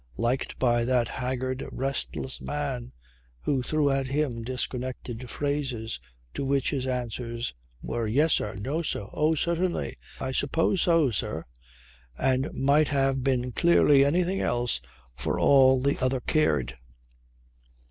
Liked by that haggard, restless man who threw at him disconnected phrases to which his answers were, "Yes, sir," "No, sir," "Oh, certainly," "I suppose so, sir," and might have been clearly anything else for all the other cared.